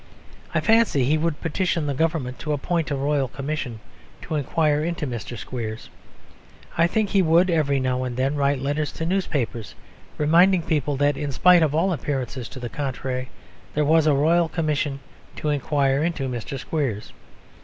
I fancy he would petition the Government to appoint a Royal Commission to inquire into Mr. Squeers. I think he would every now and then write letters to newspapers reminding people that, in spite of all appearances to the contrary, there was a Royal Commission to inquire into Mr. Squeers.